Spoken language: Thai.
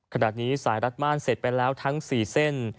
ขณะนี้สายรัดม่านเสร็จไปแล้วทั้ง๔เส้น